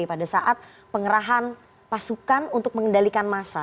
pada saat pengerahan pasukan untuk mengendalikan massa